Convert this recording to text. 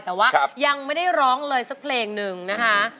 แต่ว่ายังไม่ได้ร้องเลยสักเพลงหนึ่งนะคะ